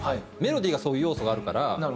メロディーがそういう要素があるから。